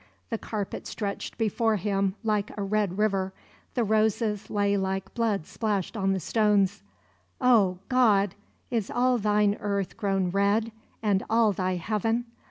The carpet stretched before him like a red river; the roses lay like blood splashed on the stones Oh, God! Is all Thine earth grown red, and all Thy heaven?